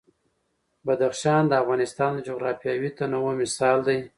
بدخشان د افغانستان د جغرافیوي تنوع مثال دی.